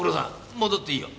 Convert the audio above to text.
戻っていいよ。